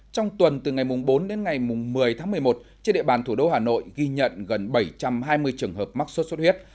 trong tuần từ ngày bốn đến ngày một mươi tháng một mươi một trên địa bàn thủ đô hà nội ghi nhận gần bảy trăm hai mươi trường hợp mắc sốt xuất huyết